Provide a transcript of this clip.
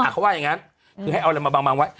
เขาว่าอย่างนั้นคือให้เอาอะไรมาบางไว้